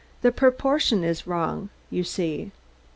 The proportion is wrong, you see.